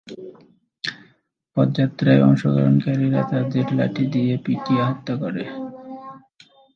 পদযাত্রায় অংশগ্রহণকারীরা তাদের লাঠি দিয়ে পিটিয়ে হত্যা করে।